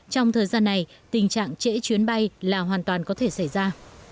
trong thời gian này tình trạng trễ chuyến bay là hoàn toàn có thể xảy ra